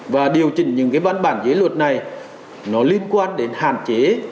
và điều chỉnh những cái văn bản dưới luật này nó liên quan đến hạn chế